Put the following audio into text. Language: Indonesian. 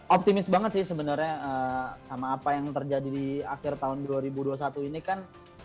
optimis banget sih sebenarnya sama apa yang terjadi di akhir tahun dua ribu dua puluh satu ini kan